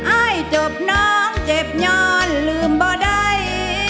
อายจบน้องเจ็บย้อนลืมบ่ได้